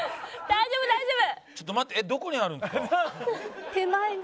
大丈夫大丈夫。